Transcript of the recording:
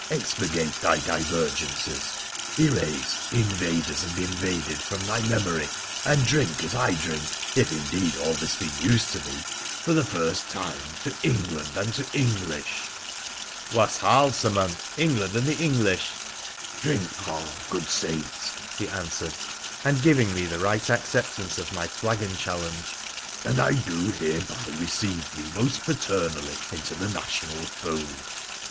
Expurgate thy divergences ; erase " invaders and invaded " from thy memory, and drink as I drink — if, indeed, all this be news to thee — for the first time to " England aad to Enerlish |"' PHRA THE PHCENICIAN 121 « Waes hael, Sir Monk—" England and the English i "'' Drink hael, good saint !' he answered, giving me the right acceptance of my flagon challenge, 'and I do hereby receive thee most paternally into the national fold